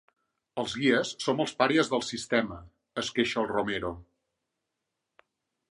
Els guies som els pàries del sistema –es queixa el Romero–.